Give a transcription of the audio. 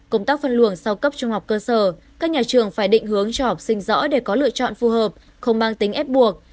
công tác phân luồng sau cấp trung học cơ sở các nhà trường phải định hướng cho học sinh rõ để có lựa chọn phù hợp không mang tính ép buộc